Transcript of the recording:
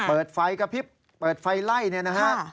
เปิดไฟกระพริบเปิดไฟไล่เนี่ยนะฮะ